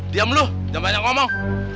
diam lu jangan banyak ngomong